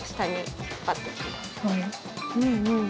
うんうん。